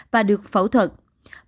và được phẫu thuật hơn